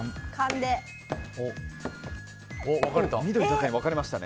緑と赤に分かれましたね。